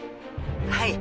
「はい」